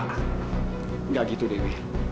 nggak gitu dewi